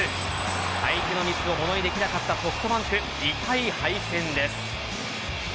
相手のミスをモノにできなかったソフトバンク痛い敗戦です。